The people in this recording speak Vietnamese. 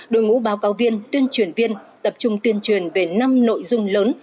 đội ngũ báo cáo viên tuyên truyền viên tập trung tuyên truyền về năm nội dung lớn